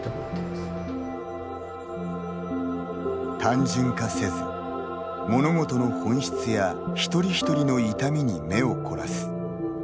単純化せず、物事の本質や一人一人の痛みに目を凝らす。